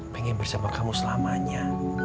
pengen bersama kamu selamanya